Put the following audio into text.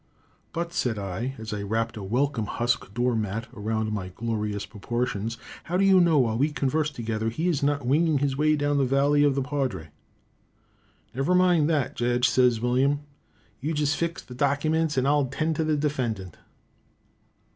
"But," said I, as I wrapped a "welcome" husk door mat around my glorious proportions, "how do you know while we converse together he is not winging his way down the valley of the Paudre?" "Never mind that, jedge," says William. "You just fix the dockyments and I'll tend to the defendant."